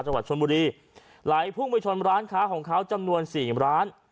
จังหวัดชนบุรีหลายผู้มือชนร้านค้าของเขาจำนวน๔ล้าน